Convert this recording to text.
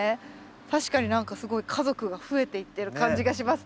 確かに何かすごい家族が増えていってる感じがしますね。